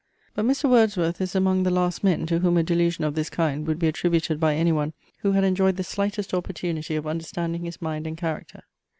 But Mr. Wordsworth is among the last men, to whom a delusion of this kind would be attributed by anyone, who had enjoyed the slightest opportunity of understanding his mind and character.